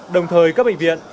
đồng thời các bệnh viện